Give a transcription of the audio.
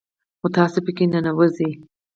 خو تاسو په كي ننوځئ